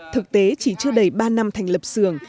thực tế chỉ chưa đầy ba năm thành lập xưởng